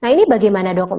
ini bagaimana dok